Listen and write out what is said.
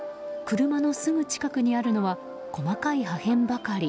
車のすぐ近くにあるのは細かい破片ばかり。